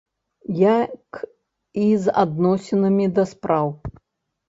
Як і з адносінамі да спраў.